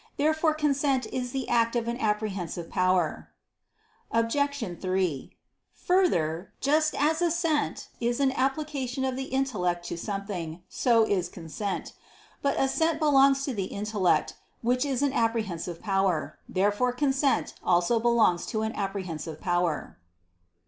Therefore consent is the act of an apprehensive power. Obj. 3: Further, just as assent is an application of the intellect to something, so is consent. But assent belongs to the intellect, which is an apprehensive power. Therefore consent also belongs to an apprehensive power.